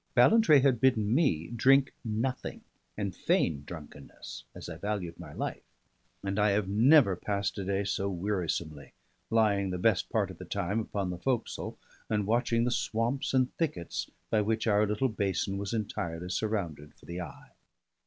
Ballantrae had bidden me drink nothing, and feign drunkenness, as I valued my life; and I have never passed a day so wearisomely, lying the best part of the time upon the forecastle and watching the swamps and thickets by which our little basin was entirely surrounded for the eye.